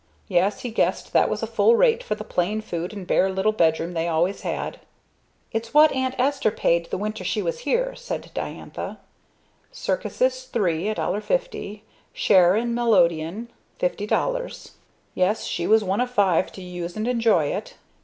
Yes, he guessed that was a full rate for the plain food and bare little bedroom they always had. "It's what Aunt Esther paid the winter she was here," said Diantha. Circuses three... $1.50 Share in melodeon... $50.00 Yes, she was one of five to use and enjoy it.